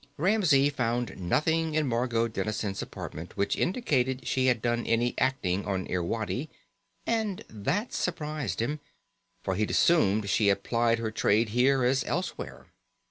Ramsey found nothing in Margot Dennison's apartment which indicated she had done any acting on Irwadi, and that surprised him, for he'd assumed she had plied her trade here as elsewhere.